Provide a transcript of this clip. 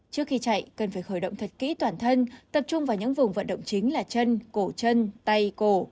trước khi chạy cần phải khởi động thật kỹ toàn thân tập trung vào những vùng vận động chính là chân cổ chân tay cổ